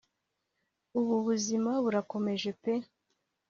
ubu ubuzima burakomeje pe